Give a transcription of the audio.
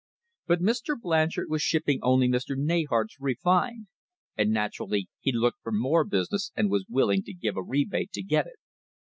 But Mr. Blanchard was shipping only Mr. Neyhart's re fined, and naturally he looked for more business and was will ing to give a rebate to get it.